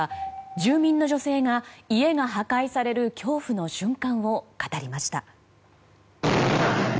住民の女性が家が破壊される恐怖の瞬間を語りました。